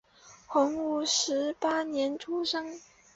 洪武十八年出生。